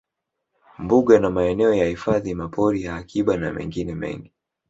Mbuga na maeneo ya hifadhi mapori ya akiba na mengine mengi